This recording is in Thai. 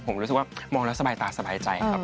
ผมรู้สึกว่ามองแล้วสบายตาสบายใจครับ